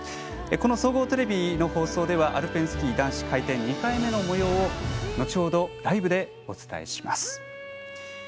この総合テレビの放送ではアルペンスキー男子回転２回目のもようを後ほどライブでお伝えします。